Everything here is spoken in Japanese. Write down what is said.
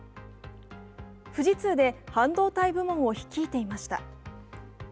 富士通で半導体部門を率いていました。